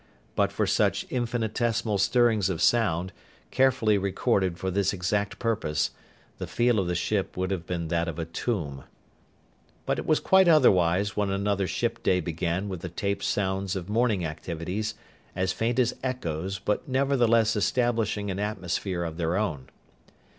But for such infinitesimal stirrings of sound, carefully recorded for this exact purpose, the feel of the ship would have been that of a tomb. But it was quite otherwise when another ship day began with the taped sounds of morning activities as faint as echoes but nevertheless establishing an atmosphere of their own.